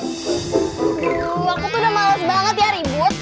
aku tuh udah males banget ya ribut